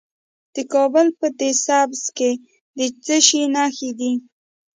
د کابل په ده سبز کې د څه شي نښې دي؟